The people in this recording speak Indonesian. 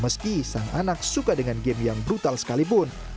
meski sang anak suka dengan game yang brutal sekalipun